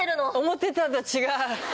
思ってたんと違う。